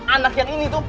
anak yang ini tuh